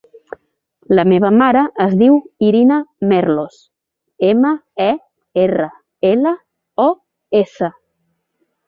La meva mare es diu Irina Merlos: ema, e, erra, ela, o, essa.